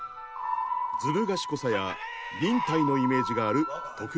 ずる賢さや忍耐のイメージがある徳川家康。